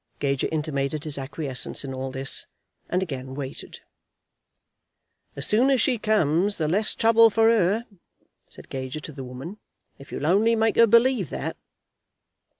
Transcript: Gager intimated his acquiescence in all this, and again waited. "The sooner she comes the less trouble for her," said Gager to the woman; "if you'll only make her believe that."